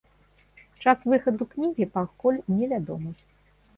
Час выхаду кнігі пакуль невядомы.